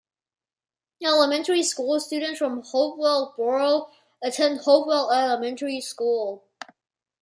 Elementary school students from Hopewell Borough attend Hopewell Elementary School.